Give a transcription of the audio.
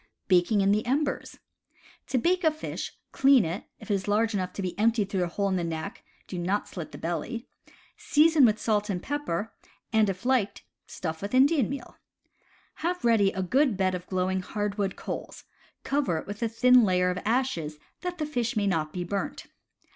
Baking in the Embers. — To bake a fish, clean it — if it is large enough to be emptied through a hole in the neck, do not slit the belly — season with salt and pepper, and, if liked, stuff with Indian meal. Have ready a good bed of glowing hardwood coals; cover it with a thin layer of ashes, that the fish may not be burnt.